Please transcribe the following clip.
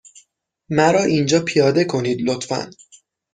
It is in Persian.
مرا اینجا پیاده کنید، لطفا.